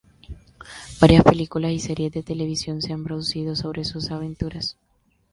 Varias películas y series de televisión se han producido sobre sus aventuras.